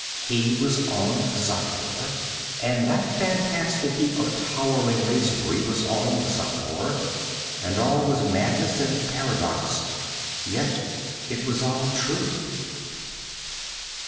He was on Xapur and that fantastic heap of towering masonry was on Xapur, and all was madness and paradox; yet it was all true.